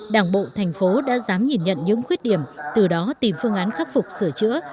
đảng bộ thành phố đã dám nhìn nhận những khuyết điểm từ đó tìm phương án khắc phục sửa chữa